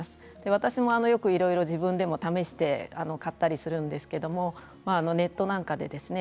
私もよくいろいろと自分でも試して買ったりするんですけれどネットなんかでですね